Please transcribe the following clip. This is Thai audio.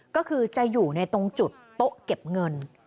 ก็คือจะอยู่ในตรงจุดโต๊ะเก็บเงิน